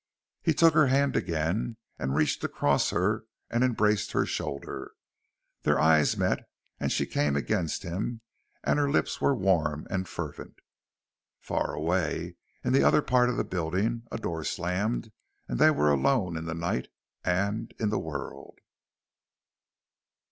He took her hand again and reached across her and embraced her shoulder. Their eyes met and she came against him and her lips were warm and fervent. Far away in the other part of the building, a door slammed and they were alone in the night and in the world.